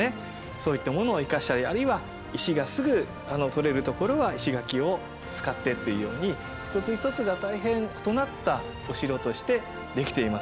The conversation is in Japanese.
そういったものを生かしたりあるいは石がすぐ採れる所は石垣を使ってというように一つ一つが大変異なったお城として出来ています。